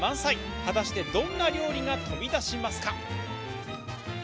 果たしてどんな料理が飛び出しますか？